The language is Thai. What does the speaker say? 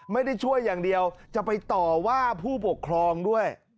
ไม่ได้ช่วยอย่างเดียวจะไปต่อว่าผู้ปกครองด้วย